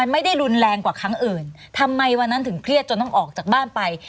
ไม่ได้รุนแรงกว่าครั้งอื่นทำไมวันนั้นถึงเครียดจนต้องออกจากบ้านไป